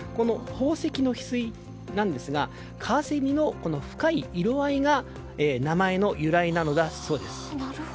宝石のヒスイなんですがカワセミのこの深い色合いが名前の由来なのだそうです。